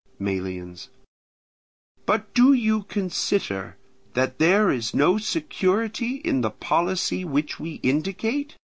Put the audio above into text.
Melians. But do you consider that there is no security in the policy which we indicate?